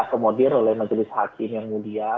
akomodir oleh majelis hakim yang mulia